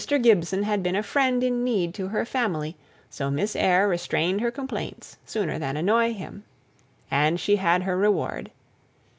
Gibson had been a friend in need to her family, so Miss Eyre restrained her complaints, sooner than annoy him. And she had her reward.